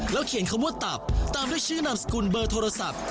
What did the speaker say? เขียนคำว่าตับตามด้วยชื่อนามสกุลเบอร์โทรศัพท์